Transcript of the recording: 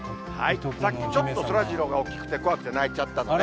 さっきちょっとそらジローが大きくて、怖くて泣いちゃったのね。